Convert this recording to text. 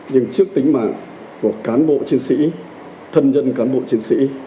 nhưng trước tính mạng của cán bộ chiến sĩ thân dân cán bộ chiến sĩ